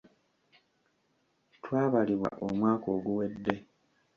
Twabalibwa omwaka oguwedde.